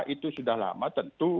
itu sudah lama tentu